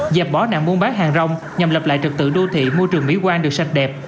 dẹp bỏ nạn buôn bán hàng rong nhằm lập lại trật tự đô thị môi trường mỹ quan được sạch đẹp